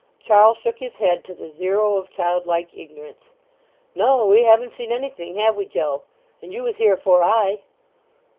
Charl shook his head to the zero of childlike ignorance. "No; we haven't seen anything; have we, Joe? And you was here afore I."